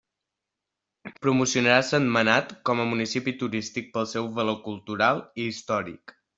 Promocionarà Sentmenat com a municipi turístic pel seu valor cultural i històric.